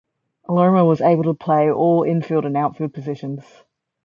Alomar was able to play all infield and outfield positions.